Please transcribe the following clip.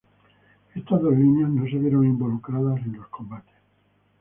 Estas dos líneas no se vieron involucradas en los combates.